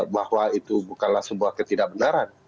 bahwa itu bukanlah sebuah ketidakbenaran